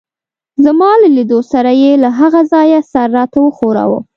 زما له لیدو سره يې له هغه ځایه سر راته وښوراوه.